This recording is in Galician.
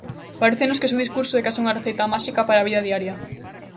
Parécenos que o seu discurso é case unha receita máxica para a vida diaria.